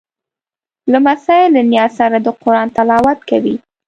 لمسی له نیا سره د قرآن تلاوت کوي.